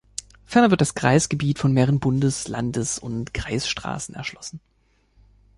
Ferner wird das Kreisgebiet von mehreren Bundes-, Landes- und Kreisstraßen erschlossen.